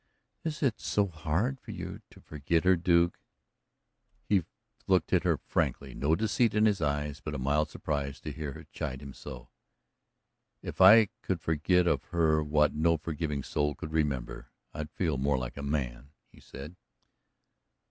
"Is it so hard for you to forget her, Duke?" He looked at her frankly, no deceit in his eyes, but a mild surprise to hear her chide him so. "If I could forget of her what no forgiving soul should remember, I'd feel more like a man," he said.